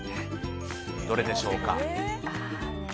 どれでしょうか。